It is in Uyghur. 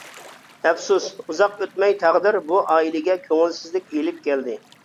ئەپسۇس، ئۇزاق ئۆتمەي تەقدىر بۇ ئائىلىگە كۆڭۈلسىزلىك ئېلىپ كەلدى.